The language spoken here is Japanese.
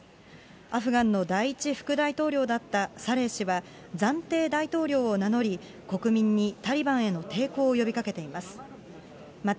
アフガンの第１副大統領だったサレー氏は暫定大統領を名乗り、国民にタリバンへの抵抗を呼びかけています。